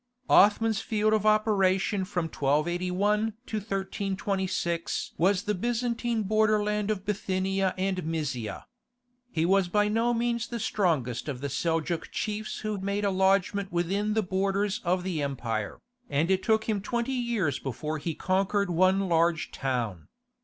Othman's field of operation from 1281 to 1326 was the Byzantine borderland of Bithynia and Mysia. He was by no means the strongest of the Seljouk chiefs who made a lodgement within the borders of the empire, and it took him twenty years before he conquered one large town.